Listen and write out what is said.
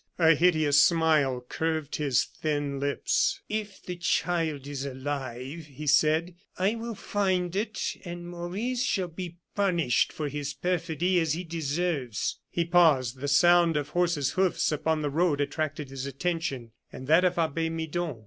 A hideous smile curved his thin lips. "If the child is alive," he added, "I will find it, and Maurice shall be punished for his perfidy as he deserves." He paused; the sound of horses' hoofs upon the road attracted his attention, and that of Abbe Midon.